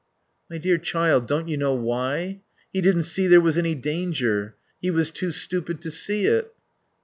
"My dear child, don't you know why? He didn't see there was any danger. He was too stupid to see it."